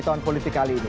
tahun politik kali ini